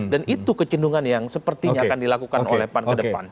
dan itu kecendungan yang sepertinya akan dilakukan oleh pan ke depan